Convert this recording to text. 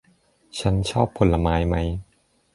ฉันชอบผลไม้ไหม